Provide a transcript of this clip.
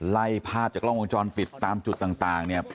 ไล่ภาพจากกล้องวงจรปิดตามจุดต่างเนี่ย